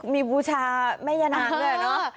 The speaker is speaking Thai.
มีบูชาแม่ย่านางด้วยเนอะ